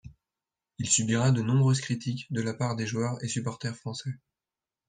Il subira de nombreuses critiques de la part des joueurs et supporters francais.